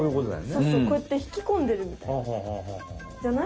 そうそうこうやって引き込んでるみたい。じゃない？